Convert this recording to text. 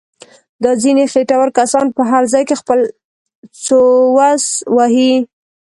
دا ځنیې خېټور کسان په هر ځای کې خپل څوس وهي.